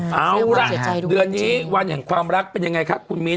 เดือนนี้วันของความรักเป็นยังไงคะคุณมิ้น